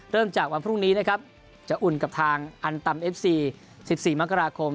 เริ่มจากวันพรุ่งนี้นะครับจะอุ่นกับทางอันตำเอฟซี๑๔มกราคม